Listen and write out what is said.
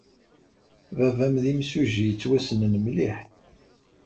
Baba-m d imsujji yettwassnen mliḥ.